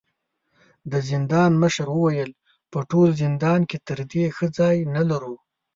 د زندان مشر وويل: په ټول زندان کې تر دې ښه ځای نه لرو.